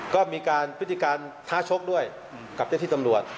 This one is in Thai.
ก็มีการพฤติการท้าชกด้วยกับเจ้าที่ตำรวจ